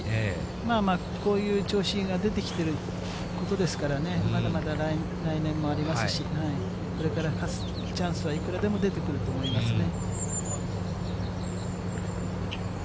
まあまあ、こういう調子が出てきてることですからね、まだまだ来年もありますし、これから勝つチャンスはいくらでも出てくると思いますね。